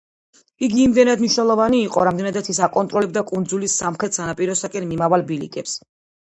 იგი იმდენად მნიშვნელოვანი იყო, რამდენადაც ის აკონტროლებდა კუნძულის სამხრეთ სანაპიროსკენ მიმავალ ბილიკებს.